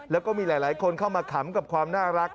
แล้วก็มีหลายคนเข้ามาขำกับความน่ารัก